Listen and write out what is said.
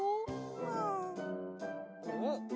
うん。